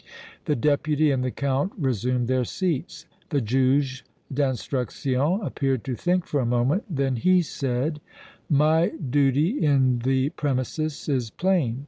The Deputy and the Count resumed their seats. The Juge d' Instruction appeared to think for a moment; then he said: "My duty in the premises is plain.